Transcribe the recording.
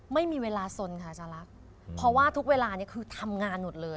ไม่มีเวลาสนค่ะอาจารย์ลักษณ์เพราะว่าทุกเวลานี้คือทำงานหมดเลย